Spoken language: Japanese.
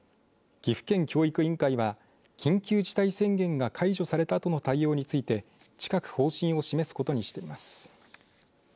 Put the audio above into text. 岐阜県教育委員会は緊急事態宣言が解除されたあとの対応について近く方針を示すことにしています。